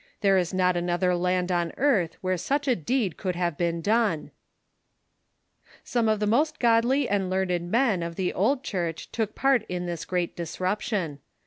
There is not another land on earth where such a deed could have been done !" Some of the most godly and learned men of the old Church took part in this Great Disruption.